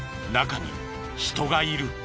中に人がいる。